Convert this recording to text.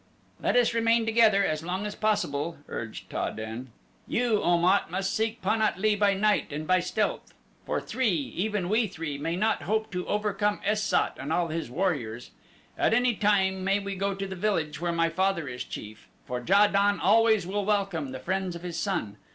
"Let us remain together as long as possible," urged Ta den. "You, Om at, must seek Pan at lee by night and by stealth, for three, even we three, may not hope to overcome Es sat and all his warriors. At any time may we go to the village where my father is chief, for Ja don always will welcome the friends of his son.